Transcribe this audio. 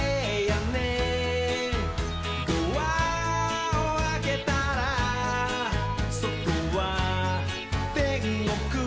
「ドアをあけたらそとはてんごく」